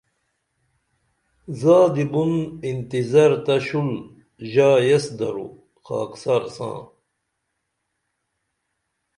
زادی بُن انتظار تہ شُل ژا ایس دروخاکسار ساں